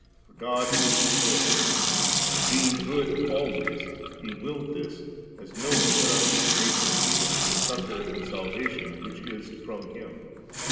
For God is good ; and being good always. He willed this, as knowing that our weak nature needed the succour and salvation which is from Him.